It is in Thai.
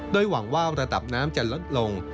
โดยหวังว่าระดับน้ำจะลดลง